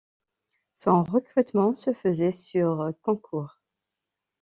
Son recrutement se faisait sur concours.